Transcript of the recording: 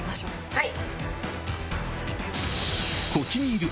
はい。